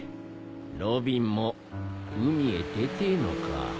ロビンも海へ出てえのか